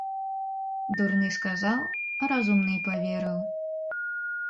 Дурны сказаў, а разумны і паверыў.